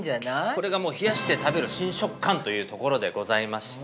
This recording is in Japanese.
◆これが、もう冷やして食べる新食感というところでございまして。